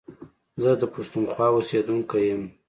زه د پښتونخوا اوسېدونکی يم